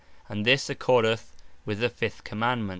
And this accordeth with the fifth Commandement.